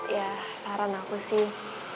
ya saran aku sih